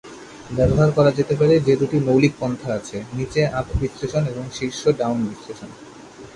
ব্যবহার করা যেতে পারে যে দুটি মৌলিক পন্থা আছে: নিচে আপ বিশ্লেষণ এবং শীর্ষ ডাউন বিশ্লেষণ।